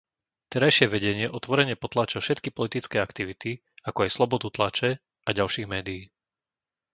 Terajšie vedenie otvorene potláča všetky politické aktivity, ako aj slobodu tlače a ďalších médií.